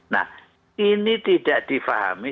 nah ini tidak difahami